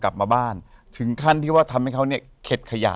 ขอต้อนรับน้องป่าวอนบทีซีเอ็มครับ